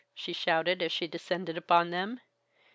she shouted as she descended upon them.